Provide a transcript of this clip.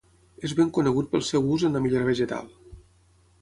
És ben conegut pel seu ús en la millora vegetal.